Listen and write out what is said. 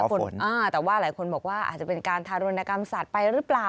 แต่ว่าหลายคนบอกว่าอาจจะเป็นการทารุณกรรมสัตว์ไปหรือเปล่า